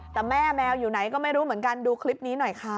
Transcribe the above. แต่แม่แมวอยู่ไหนก็ไม่รู้เหมือนกันดูคลิปนี้หน่อยค่ะ